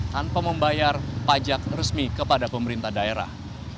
tanpa membayar pajak resmi kepada pemerintah daerah